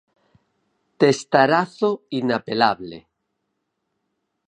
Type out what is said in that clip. Testarazo inapelable.